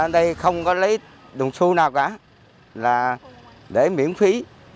đây không có lấy đồn xu nào cả là để miễn phí